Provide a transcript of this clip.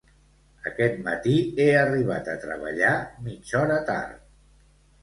Aquest matí he arribat a treballar mitja hora tard